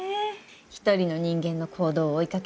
一人の人間の行動を追いかける。